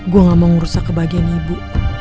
gue gak mau ngerusak kebahagiaan ibu